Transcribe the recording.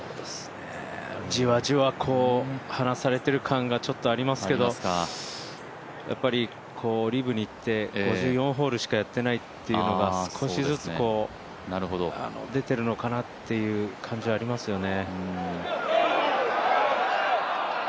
じわじわ離されてる感がありますけどやっぱりリブにいって５４ホールしかやってないっていうのが、少しずつ出ているのかなという感じはありますよね。